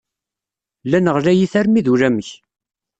Llan ɣlayit armi d ulamek.